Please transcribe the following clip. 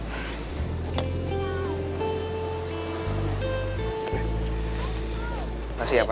terima kasih ya pak ya